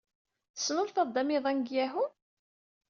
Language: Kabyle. Tesnulfaḍ-d amiḍan deg Yahoo?